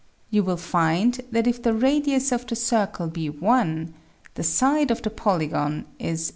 You will find that if the radius of the circle be one, the side of the polygon is